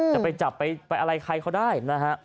จะไปจับไปอะไรใครเขาได้นะฮะ